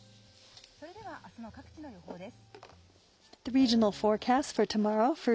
それではあすの各地の予報です。